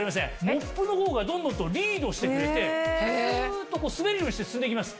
モップの方がドンドンとリードしてくれてスっと滑るようにして進んでいきます。